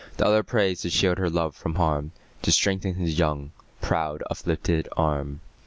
The other prays to shield her love from harm, To strengthen his young, proud uplifted arm.